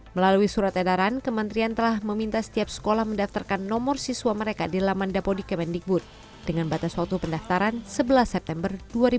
melalui surat edaran kementerian telah meminta setiap sekolah mendaftarkan nomor siswa mereka di laman dapodik kemendikbud dengan batas waktu pendaftaran sebelas september dua ribu dua puluh